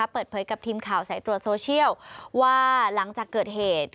เปิดเผยกับทีมข่าวสายตรวจโซเชียลว่าหลังจากเกิดเหตุ